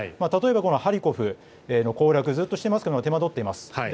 例えば、ハリコフ攻略ずっとしていますが手間取っています。